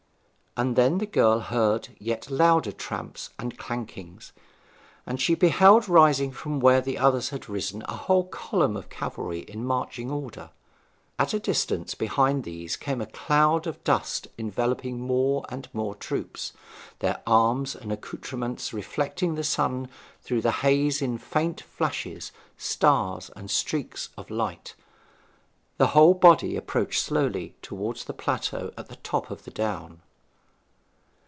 And then the girl heard yet louder tramps and clankings, and she beheld rising from where the others had risen a whole column of cavalry in marching order. At a distance behind these came a cloud of dust enveloping more and more troops, their arms and accoutrements reflecting the sun through the haze in faint flashes, stars, and streaks of light. The whole body approached slowly towards the plateau at the top of the down.